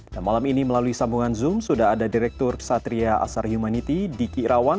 dan malam ini melalui sambungan zoom sudah ada direktur satria asar humanity diki rawan